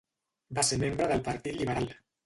Va ser membre del partit liberal.